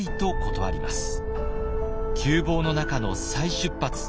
窮乏の中の再出発。